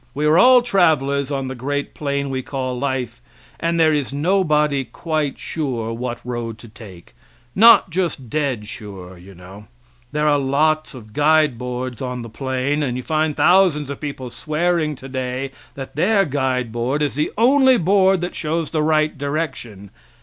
We are all travelers on the great plain we call life and there is nobody quite sure, what road to take not just dead sure, you known. There are lots of guide boards on the plain and you find thousands of people swearing today that their guide board is the only board that shows the right direction.